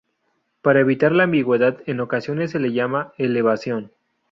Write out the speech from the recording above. Para evitar la ambigüedad en ocasiones se la llama elevación.